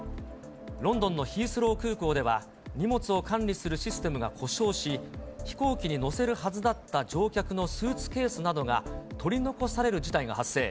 ロンドンのヒースロー空港では、荷物を管理するシステムが故障し、飛行機に載せるはずだった乗客のスーツケースなどが取り残される事態が発生。